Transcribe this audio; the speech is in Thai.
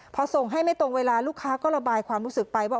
พอส่งให้ไม่ตรงเวลาลูกค้าก็ระบายความรู้สึกไปว่า